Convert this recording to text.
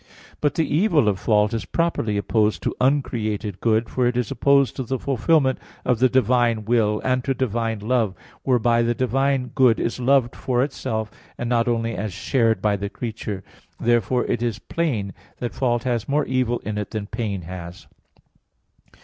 But the evil of fault is properly opposed to uncreated good; for it is opposed to the fulfilment of the divine will, and to divine love, whereby the divine good is loved for itself, and not only as shared by the creature. Therefore it is plain that fault has more evil in it than pain has.